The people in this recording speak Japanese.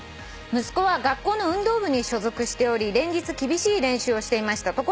「息子は学校の運動部に所属しており連日厳しい練習をしていました」